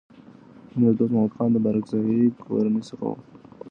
امیر دوست محمد خان د بارکزايي کورنۍ څخه و.